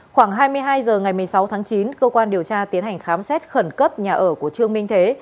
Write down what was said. khoảng hai mươi hai h ngày một mươi sáu tháng chín cơ quan điều tra tiến hành khám xét khẩn cấp nhà ở của trương minh thế